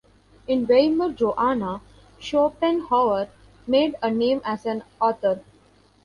In Weimar Johanna Schopenhauer made a name as an author.